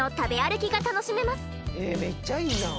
めっちゃいいやん。